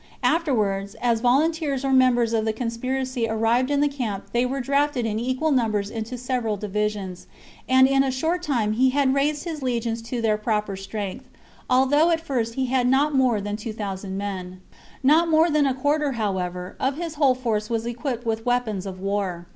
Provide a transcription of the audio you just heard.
Afterwards, as volunteers or members of LVI. THE CONSPIRACY OF CATILINE. 57 the conspiracy arrived in the camp they were drafted chap. in equal numbers into the several divisions ; and in a short time he had raised his legions to their proper strength, although at first he had not more than two thousand men. Not more than a quarter, however, of his whole force was equipped with weapons of war.